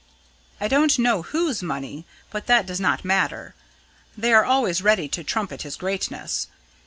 I don't know whose money but that does not matter. They are always ready to trumpet his greatness.